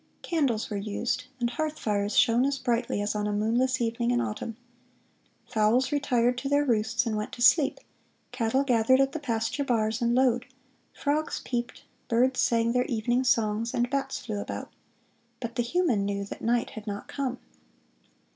"Candles were used; and hearth fires shone as brightly as on a moonless evening in autumn.... Fowls retired to their roosts and went to sleep, cattle gathered at the pasture bars and lowed, frogs peeped, birds sang their evening songs, and bats flew about. But the human knew that night had not come....